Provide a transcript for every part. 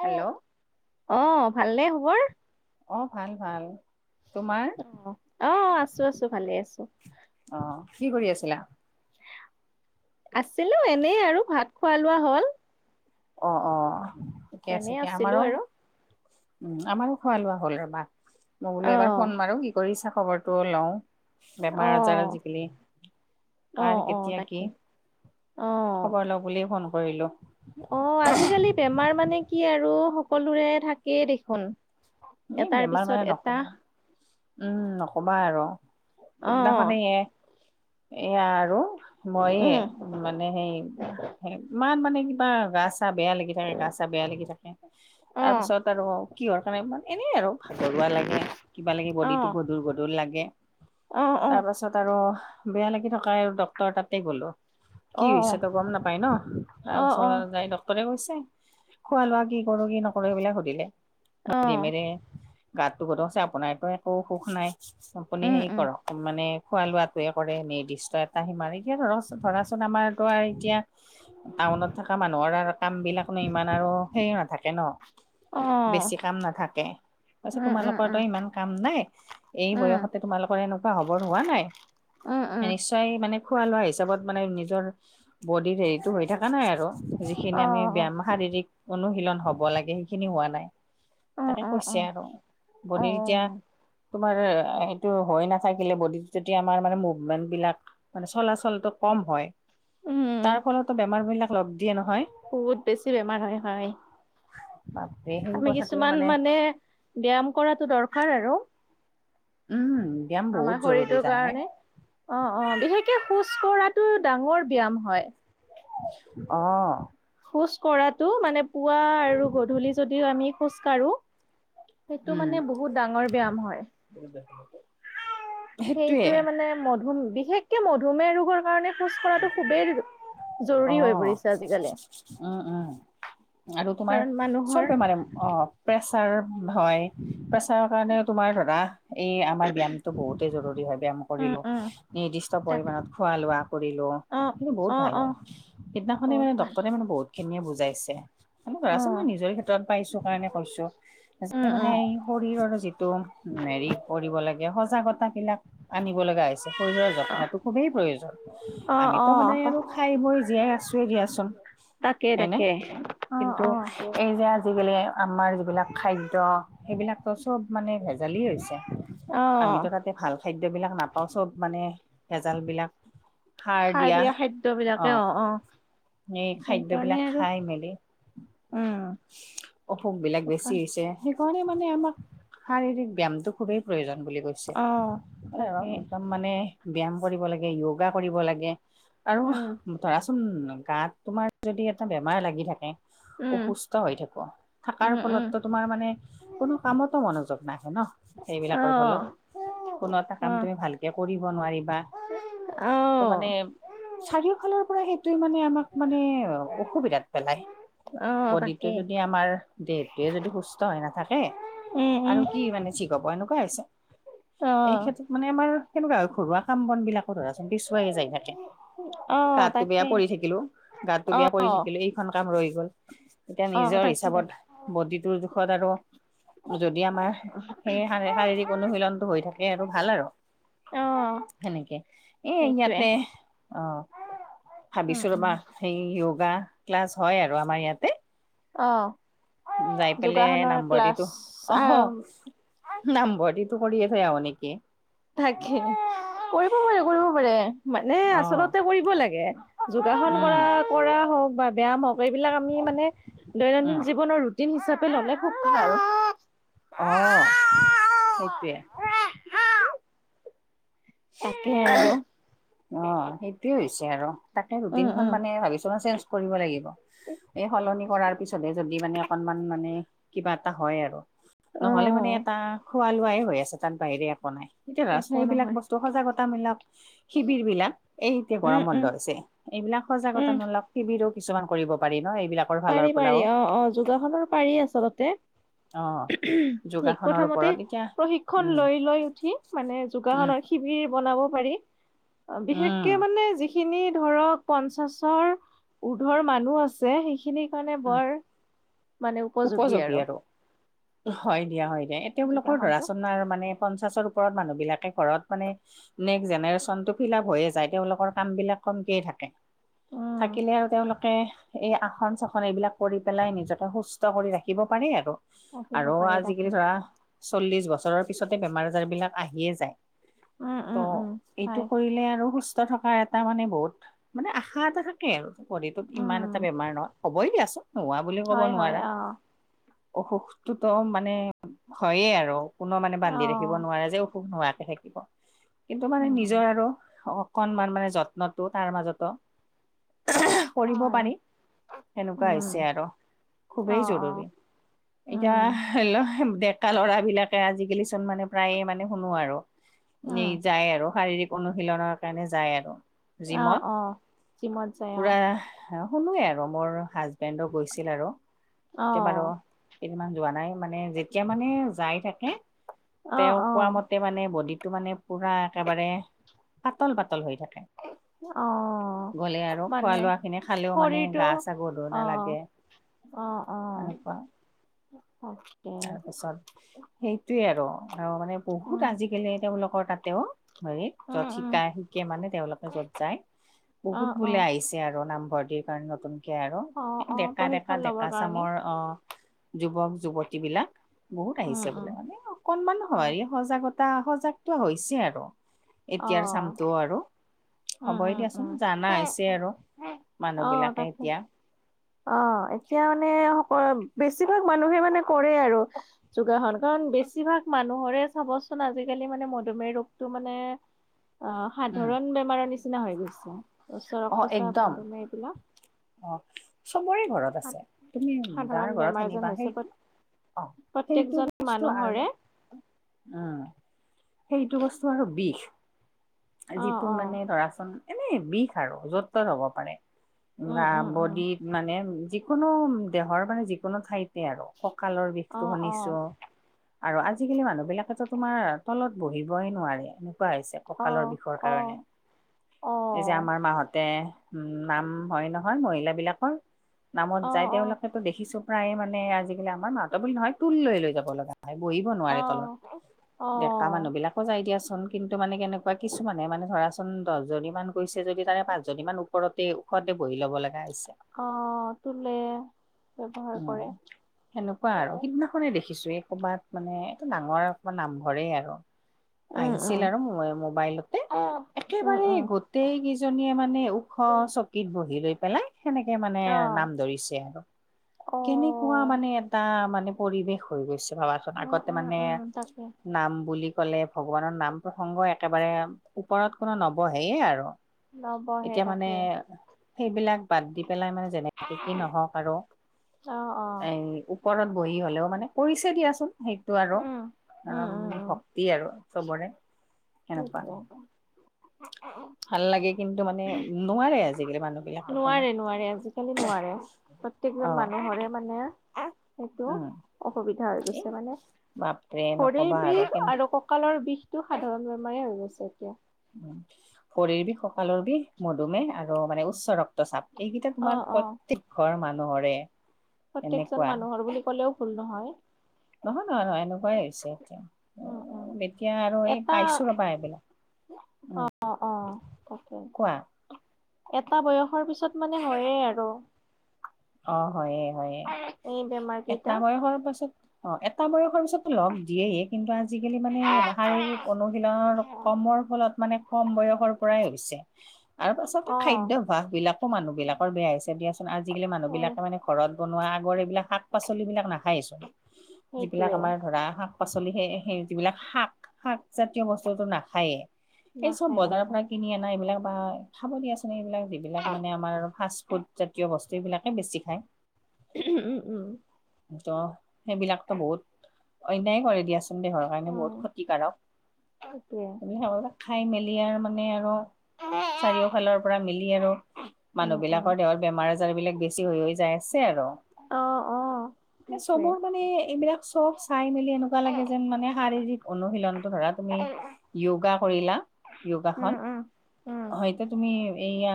Hello. অঁ ভালে নে খবৰ। অঁ ভাল ভাল, তোমাৰ? অঁ অঁ আছো আছো ভালে আছো। অঁ, কি কৰি আছিলা? আছিলো এনেই আৰু ভাত খোৱা লোৱা হ'ল। অঁ অঁ ঠিকে এনে আছে তিয়া, আছিলো আমাৰো- আৰু উম আমাৰো খোৱা লোৱা হ'ল ৰবা মই অ বোলো এবাৰ ফোন মাৰো কি কৰিছা খবৰটো লঁও। অ বেমাৰ আজাৰ আজিকালি। অ কাৰ অ কেতিয়া কি তাকে অ খবৰ লওঁ বুলিয়ে ফন কৰিলো। অঁ আজিকালি বেমাৰ মানে কি আৰু সকলোৰে থাকেই দেখোন। এই এটাৰ বেমাৰ মানে পিছত এটা। নকবা উম নকবা আৰু অ সিদিনাখনেই এ এয়া আৰু ময়ে উম মানে সেই ইমান মানে কি বা গা চা বেয়া লাগি থাকে গা চা বেয়া লাগি থাকে অ তাৰপিছত আৰু কিহৰ কাণে ইমান এনেই আৰু ভাগৰুৱা লাগে কিবা লাগি অ বডিটো গধুৰ গধুৰ লাগে। অ অ তাৰ পাছত আৰু বেয়া লাগি থকায় ডক্তৰ তাতে গ'লো। অ কি হৈছে ত গম নাপাই ন অ অ তাৰপিছত যাই ডক টৰে কৈছে খোৱা লোৱা কি কৰো কি নকৰো এইবিলাক সুধিলে। অ সুধি মেলি গাতটো গধ আপোনাৰ একো একো অসুখ নাই। আপুনি উম সেয়ি উম কৰক মানে খোৱা লোৱাতোৱে কৰে নিৰ্দিষ্ট এটা সিমাৰেই ইয়াতে ৰ চোন ধৰাচোন আমাৰতোৱে এতিয়া টাউনত থকা মানুহৰ অৰাৰ কামবিলাকনো ইমান আৰু হেৰি নাথাকে ন। অ। কাম নাথাকে। পাছে উম উম তোমালোকৰ উম তই ইমান কাম নাই এই উম বয়সতে তোমালোকৰ এনেকুৱা হবৰ হোৱা নাই। উম উম। তই মানে খোৱা লোৱা হিচাপত মানে নিজৰ বডিৰ হেৰিটো হৈ থাকা নাই আৰু। অ যিখিনি আমি অ ব্যায়াম শাৰীৰিক অনুশীলন হব লাগে সেইখিনি হোৱা নাই। তাকে অ কৈছে আৰু অ বডিৰ এতিয়া অ তোমাৰ সেইটো হৈ নাথাকিলে বডিটো তেতিয়া আমাৰ মানে মুভমেন্ট বিলাক মানে চলাচলটো কম হয়। উম, তাৰ ফলতো বেমাৰবিলাক লগ দিয়ে নহয়। বহুত বেছি বেমাৰ হয় হয়। বাপৰে সেই আমি কথ কিছুমান মানে ব্যায়াম কৰাটো দৰকাৰ আৰু। উম ব্যায়াম বহুত আমাৰ জৰুৰী শৰীৰটোৰ জানানে কাৰণে। অ অ বিশেষকে খোজ কঢ়াটো ডাঙৰ ব্যয়াম হয়। অ। খোজ কঢ়াটো মানে পুৱা আৰু গধূলি যদিও আমি খোজ কাঢ়ো সেইটো উম মানে বহুত ডাঙৰ ব্যায়াম হয়। [unintelligible] সেইটোৱে সেইটোয়ে মানে মধুম বিশেষকে মধুমেহ ৰোগৰ কাৰণে খোজ কৰাটো খুবেই অ জৰুৰী হৈ পৰিছে আজিকালি উম উম আৰু তোমাৰ কাৰণ মানুহৰ চব বেমাৰে অ প্ৰেছাৰ হয় প্ৰেছাৰৰ কাৰণেও তোমাৰ ধৰা এই আমাৰ ব্যয়মটো বহুতেই জৰুৰী হয় ব্যয়াম উম, কৰিলো উম, নিৰ্দিষ্ট তাকে পৰিমমানণত খোৱা লোৱা কৰিলো অ', কিন্তু বহুত অ', ভাল অ', হয় সেইদিনাখনে বহুত মানে ভাল ডক্টৰে মানে বহুত খিনিয়ে বুজাইছে খোলো ধৰাচোন চোন মই অ', নিজৰ ক্ষেত্ৰত পাইছো কাৰণে কৈছো যিয়ে উম, মানে উম। শৰীৰৰ যিটো মেৰি কৰিব লাগে সজাগতা বিলাক আনিব লগা হৈছ শৰীৰৰ যত্নতো খুবেই প্ৰয়োজন অ', আমিতো অ', সদায় আৰু খাই বই জীয়াই আছোৱে দিয়াচোন তাকে হয়নে তাকে। অ', কিন্তু অ'। এই যে আজিকালি আমাৰ যিবিলাক খাদ্য সেইবিলাকতো সব মানে ভেজালিয়ে হৈছে অ', আমিতো তাতে ভাল খাদ্যবিলাক নাপাওঁ চব মানে ভেজালবিলাক সাৰ দিয়া অ এই সেইকাৰণে খাদ্যবিলাক আৰু খাই মেলি উম, অসুখ বিলাক বেছি সেইকাৰ হৈছে সেইকাৰণে মানে আমাক শাৰীৰিক ব্যয়ামটো খুবেই প্ৰয়োজন বুলি কৈছে অ', তাকে মানে ব্যায়াম কৰিব লাগে য়োগা কৰিব লাগে আৰু উম, ধৰাচোন গাত তোমাৰ যদি এটা বেমাৰ লাগি থাকে। উম, অসুস্থ হৈ থাকো উম, থকাৰ উম। ফলতো তোমাৰ মানে কোনো কামতো মনোযোগ নাহে ন সেইবিলাকৰ অ', ফলত কোনো এটা কাম অ', তুমি ভালকে কৰিব নোৱাৰিবা। ত মানে অ'। চাৰিওফালৰ পৰা সেইটোে মানে আমাক মানে অসুবিধাত পেলায়। অ', বডিটো তাকে যদি আমাৰ দেহটোৱে যদি সুস্থ হৈ নাথাকে। উম, উম, আৰু কি মানে চিক লব এনেকুৱা হৈছে এই অ'। ক্ষেত্ৰত মানে আমাৰ সেনেুৱা হয় ঘৰুৱা কাম বন বিলাকো ধৰাছ বিছৱাইে যাই থাকে অ', গাতটো বেয়া তাকে পৰি থাকিলো গাতটো অ', বেয়া পৰি থাকিলো এই এখন কাম ৰৈ গ'ল এতিয়া অ', নিজৰ তাকে তাকে হিচাপত বডিটোৰ জোখত আৰু যদি আমাৰ শে শা শাৰীৰিক অনুশীলনটো হৈ থাকে আৰু ভাল আৰু। অ', সেনেকে এ সেইটোৱে। ইয়াতে আহ উম, ভাবিছো উম, ৰবা। সেই য়োগা ক্লাছ হয় আৰু আমাৰ ইয়াতে। অ যাই পেলাই যোগাসনৰ ক্লাছ আৰাম নাম ভৰ্তিটো কৰিয়ে থই আহো নেকি। থাকে কৰিব পাৰে কৰিব পাৰে মানে অ আচলতে কৰিব লাগে। যোগাসন উম কৰা কৰা হওক বা ব্যয়াম হওক এইবিলাক আমি মানে উম দৈনন্দিন জীৱনৰ দিন হিচাপে ল'লে খোব ভাল। অ সেইটোৱে। তাকে আৰু। অ সেইটোয়ে হৈছে আৰু তাকে উম, ৰুটিন খন উম, মানে ভাবিছো মানে চেঞ্জ কৰিব লাগিব এই সলনি কৰাৰ পিছতহে যদি মানে অকনমান মানে কিবা এটা হয় আৰু নহ'লে মানে অ', এটা খোৱা লোৱাই হৈ আছে তাত বাহিৰে একো নাই। এতিয়া ৰাজনে একো এইবিলাক নহয় বস্ত- সজাগতামূলক শিবিৰ বিলাক এইতে গৰম উম, বন্ধ উম, হৈছে। এইবিলাক উম, সজাগতামূলক টিবিৰো কিছুমান কৰিব পাৰি ন এইবিলাক পাৰি পাৰি অ অ যোগাসনৰ পাৰি আচলতে। অ'। উহুম, ঠিক যোগাসনৰ প্ৰথমতে ওপৰত এতিয়া প্ৰশিক্ষন উম, লৈ লৈ উঠি মানে উম, যোগাসনৰ সিবিৰ বনাব পাৰি, আ বিশেষকে উম, মানে যি খিনি ধৰক পঞ্চাশৰ উৰ্ধৰ মানুহ আছে সেইখিনিক মানে উম, বৰ উপযোগী আৰু হয় দিয়া হয় দিয়া এতে বোলকৰ যোগাসনটো ৰাচন নাইয়ৰ মানে পঞ্চাশৰ ওপৰত মানুহ বিলাকে ঘৰত মানে নেক্স জেনেৰেচনটো ফিল আপ হৈয়ে যায় তেওঁলোকৰ কাম বিলাক কমকে থাকে। উম থাকিলে আৰু তেওঁলোকে এই আসন চাসন এইবিলাক কৰি পেলাই নিজকে সুস্থ ট কৰি ৰাখিব পাৰে আৰু। ৰাখিব আৰু পাৰে ৰাখি আজিকালি ধৰা চল্লিশ বছৰৰ পিছতে বেমাৰ আজাৰবিলাক আহিয়ে যায়। উম ত উম উম এইটো হয় কৰিলে আৰু সুস্থ থকাৰ এট- টা মানে বহুত মানে আশা এটা থাকে আৰু বডিটোত ইমান এটা উম বেমাৰ নহয় হ'বই দিয়াচোন নোহোৱা হয় হয় অ। অসুখটো ত মানে হয়ে আৰু কোনো মানে অ বান্ধি ৰাখিব নোৱাৰে যে অসুখ নোহোৱাকে থাক- কিন্তু মানে উম নিজৰ উম আৰু অ- অকনমান মানে যত্নটো তাৰ মাজতো আহহা- কৰিব হয় পাৰি, সেনেকুৱা উম হৈছে আৰ। অ খুবেই অ জৰুৰী, এইটাহ উম হৈল হেম, ডেকা ল'ৰাবিলাকে আজিকালি চোন মানে প্ৰায়ে মানে শুনো আৰু। উম এই যায় আৰু শাৰীৰিক অনুশীলনৰ কাৰণে যায় আৰু। অ জিমত অ জিমত যায় অ পূৰা হা শুনোৱে আৰু মোৰ হাজবেণ্ডো গৈছিল আৰু। অ কে বাৰ কেইদিনমান যোৱা নাই মানে যেতিয়া মানে যায় থাকে। অ তেওঁ কোৱা অ মতে মানে বডিটো মানে পুৰা একেবাৰে পাতল পাতল হৈ থাকে। অ [inaudible] গ'লে আৰু খোৱা মানে - লোৱা খিনি খালেও মানে শৰীৰটো গা - চা গধুৰ অ নালাগে। অ অ অহ। তাৰ পাছত সেইটোৱে আৰু আৰু মানে উম বহুত আজিকালি তেওঁলোকৰ তাতেও। হেৰিত উম য'ত উম শিকাই শিকে মানে তেওঁলোকে য'ত যায়। অ বহুত অ বোলে আহিছে আৰু নামভৰ্তিৰ কাৰণে নতুন। ছে আৰু অ অ ডেকা - ডেকা প্ৰশিক্ষণ - লবৰ ডেকা কাৰণে চামৰ আহ। যুৱক - যুৱতীবিলাক বহুত উম আহিছে উম বোলে মানে অকনমান অ হেৰি সজাগত। তাবসজাগতো হৈছে আৰু অ এতিয়াৰ চামটো আৰু। উম হ'বই উম দিয়াচোন উম জানা হৈছে আৰু মানুহ অ বিলাকে তাকে এতিয়া। অ এতিয়া মানে অ বেছিভাগ মানুহে মানে কৰে আৰু। যোগাসন কাৰণ বেছিভাগ মানুহৰে চাবচোন আজিকালি মানে মধুমেহ ৰোগটো মানে। [inaudible] অ উম। সাধাৰণ বেমাৰৰ নিচিনা হৈ গৈছে। উচ্চ অ ৰক্তচাপ একদম মধুমেহ এইবিলাক অ। চবৰে ঘৰত আছে, তুমি দাৰ সাধাৰণ ঘৰত বেমাৰ যেন শুনিবা সেই হৈছে অ সেইটো প্ৰত্যেকজন বস্তু মানুহৰে আৰু উম, সেইটো বস্তু আৰু বিষ অ যিটো অ মানে ধৰাচোন এনেই বিষ আৰু য'ত তত হ'ব পাৰে। উম বা উম উম বডিত মানে যিকোনো দেহৰ মানে যিকোনো ঠাইতে আৰু। কঁকালৰ অ বিষটো অ শুনিছোঁ। আৰু আজিকালি মানুহ বিলাকেতো তোমাৰ তলত বহিবই নোৱাৰে এনেকুৱা হৈছে। অ কালৰ বিষৰ অ কাৰণে, অ এই যে আমাৰ মাহঁতে। উম নাম হয় নহয় মহিলাবিলাকৰ নামত অ অ যায় তেওঁলোকে দেখিছো প্ৰায়ে মানে আজিকালি আমাৰ মাত বুলি নহয় তুল লৈ লৈ যাব লাগে। ভাই বহিব অ নোৱাৰে তলত, অ ডেকা মানুহবিলাকো যায় দিয়াচোন কিন্তু মানে কেনে বা কিছুমানে মানে ধৰাচোন দহজনী মান গৈছে যদি তাৰে পাঁচ জনী মান ওপৰতে ওখতে বহি ল'ব লগা হৈছে। অঁহ তোলে। ব্যৱহাৰ উম কৰে সেনেকুৱা আৰু উম সিদিনা কোনে দেখিছোয়ে ক'ৰবাত মানে এইটো ডাঙৰমান নামঘৰে আৰু। আহিছিল উম আৰু মোবা - মোবাইলতে। উম একেবাৰে উম গোটেই কেইজনীয়ে মানে ওখ চকীত বহি লৈ পেলাই। সেনেকে মানে অ নাম ধৰিছে আৰু। অ কেনেকুৱা মানে এটা মানে পৰিৱেশ হৈ গৈছে ভাবাচোন? উম আগতে উম মানে উম তাকে নাম বুলি ক'লে ভগৱানৰ নাম প্ৰসংগ একেবাৰে ওপৰত কোনো নবহেয়ে আৰু। নবহে এতিয়া মানে তাকে সেইবিলাক বাদ দি পেলাই মানে যেনেকে কি নহওক আৰু অঁহ। এই ওপৰত বহি হ'লেও মানে। কৰিছে দিয়াচোন সেইটো আৰু উম উম উম উম ভক্তি আৰু চবৰে। উপৰত সেনেকুৱা পৰা। [unintelligible] ভাল লাগে কিন্তু মানে নোৱাৰে আজিকালি মানুহ বিলাকে কোনো। নোৱাৰে নোৱাৰে আজিকালি নোৱাৰে [unintelligible] প্ৰত্যেকজন অ', মানুহৰে মানে সেইটো উম, অসুবিধা হৈ এই গৈছে মানে। বাপৰে শৰীৰ নকবা বিষ কেন আৰু কঁকালৰ বিষটো সাধাৰণ বেমাৰে হৈ গৈছে এতিয়া। উ শৰীৰ বিষ ককালৰ বিষ মধুমেহ আৰু মানে উচ্চ ৰক্ত। ৰক্ত চাপ এইকেইটা অ', তোমাৰ অ'। প্ৰত্যেক ঘৰ মানুহৰে। প্ৰত্যেকজন এনেকুৱা মানুহৰ বুলি ক'লেও ভুল নহয়। নহয় নহয় নহয় এনেকুৱাই হৈছে এতিয়া উম, উম। এতিয়া আৰু এই এটা পাইছো ৰবা এইবিলাক। উম। অ', অ', তাকে এটা বয়সৰ পিছত মানে হয়ে আৰু অ, হয়ে হয়ে এই বেমাৰ এটা কেইটা। বয়সৰ পাছত অ, এটা বয়সৰ পিছতো লগ দিয়েই কিন্তু আন আজিকালি মানে শাৰীৰিক অনুশীলনৰ কমৰ ফলত মানে কম বয়সৰ পৰাই হৈছে। আৰু পাছতে অ', খাদ্যভ্যাস বিলাকো মানুহ বিলাকৰ বেয়া হৈছে দিয়াচোন আজিকালি মানুহ এ বিলাকে মানে ঘৰত বনোৱা আগৰ এইবিলাক শাক, পাচলিবিলাক নাখায়ে চোন যিবিলাক সেইটোৱে আমাৰ ধৰা শাক শাক-পাচলি সেই সেই যিবিলাক শাক, শাকজাতীয় বস্তুটো নাখায়েই। এই চব নাখায় বজাৰৰ নাখায়। পৰা কিনি অনা এইবিলাক বা খাব দিয়াচো- এইবিলাক যিবিলাক মানে আমাৰ ফাষ্ট ফুড জাতীয় বস্তু এইবিলাকেই বেছি খায়। উম, উম। ত' সেইবিলাকতো বহুত অন্যায় কৰে দিয়াচোন দে ধৰক। কাৰণে বহুত অ', ক্ষতিকাৰক সেইটোৱে। সিহঁতে খাই মেলি আৰু মানে আৰু চাৰিওফালৰ পৰা মিলি আৰু উম, মানুহ উম। বিলাকৰ দেহৰ বেমাৰ আজাৰ বিলাক বেছি বেছি হৈ হৈ যাই আছে আৰু অ, অ। ম সেইটোৱে। চবত মানে এইবিলাক চব চাই মেলি এনেকুৱা লাগে যেন মানে শাৰীৰিক অনুশীলনটো ধৰা তুমি য়োগা কৰিলা য়োগাখন, উম, উম, হয়তো তুমি এইয়া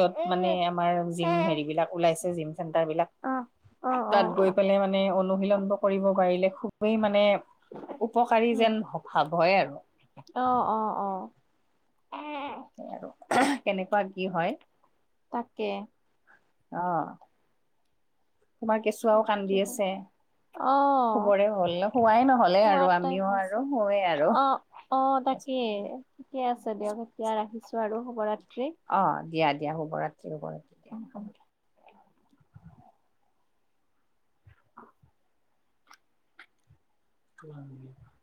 য'ত মানে আমাৰ অ', জিম হেৰি বিলাক ওলাইছে জিম চেন্টাৰ বিলাক অ', তাত গৈ অ', পেলাই মানে অনুশীলন কৰিব পাৰিলে খুবেই মানে উপকাৰী উম, যেন ভাৱ হয় আৰু অ, অ, এ আৰু কেনেকুৱা কি হয়। তাকে। অ, তোমাৰ কেঁচুৱাও কান্দি আছে। অ', শুবৰে হ'ল শোৱাই নহ'লে শুৱাৰ আৰু টাইম আমিও হৈছে। আৰু শুৱেই আৰু। অ', অ, তাকেই ঠিকে আছে দিয়ক এতিয়া ৰাখিছো আৰু শুভৰাত্ৰি। অ, দিয়া দিয়া শুভৰাত্ৰি শুভৰাত্ৰি দিয়া হ'ব দিয়া। [unintelligible] [inaudible]